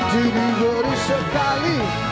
didi beri sekali